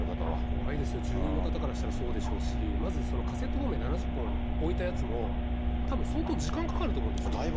怖いですよ、住人の方からしたらそうでしょうし、まずカセットボンベ７０本置いたやつも、たぶん相当時間かかると思うんですよね。